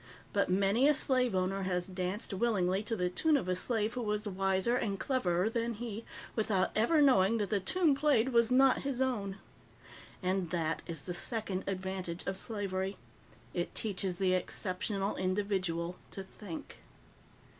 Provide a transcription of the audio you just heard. But many a slave owner has danced willingly to the tune of a slave who was wiser and cleverer than he, without ever knowing that the tune played was not his own. And that is the second advantage of slavery. It teaches the exceptional individual to think.